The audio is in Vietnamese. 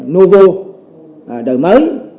nouveau đời mới